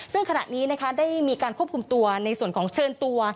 ซึ่งขณะนี้นะคะได้มีการควบคุมตัวในส่วนของเชิญตัว